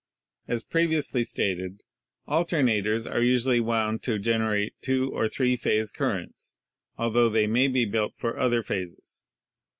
As previously stated, alternators are usually wound to generate two or three phase currents, altho they may be built for other phases.